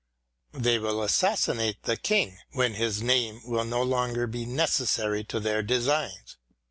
... They will assassinate the King when his name will no longer be necessary to their designs.